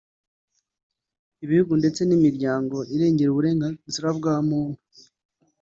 ibihugu ndetse n’imiryango irengera uburenganzira bwa muntu